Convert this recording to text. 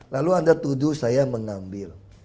lalu anda tuduh saya mengambil